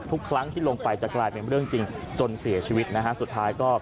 ทุกครั้งที่ลงไปจะกลายเป็นเรื่องจริงจนเสียชีวิตนะฮะสุดท้ายก็